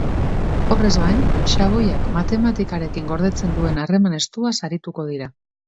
Horrez gain, xaboiak matematikarekin gordetzen duen harreman estuaz arituko dira.